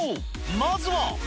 まずは。